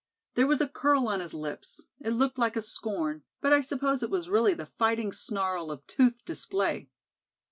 There was a curl on his lips it looked like scorn, but I suppose it was really the fighting snarl of tooth display.